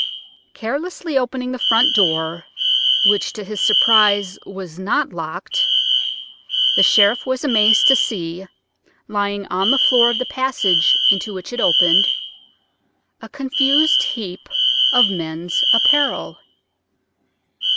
Carelessly opening the front door, which to his surprise was not locked, the sheriff was amazed to see, lying on the floor of the passage into which it opened, a confused heap of men's apparel.